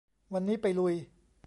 วันนี้ไปลุย